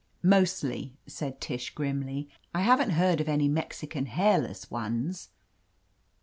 "Mostly," said Tish grimly. "I haven't heard of any Mexican hairless ones."